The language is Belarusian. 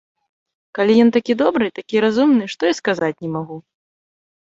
Калі ён такі добры, такі разумны, што і сказаць не магу.